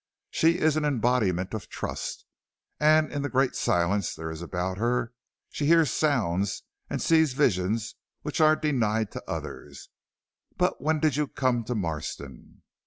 She is an embodiment of trust, and in the great silence there is about her, she hears sounds and sees visions which are denied to others. But when did you come to Marston?"